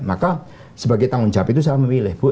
maka sebagai tanggung jawab itu saya memilih bu